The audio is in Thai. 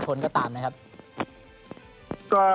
ขออนุญาตให้คนในชาติรักกัน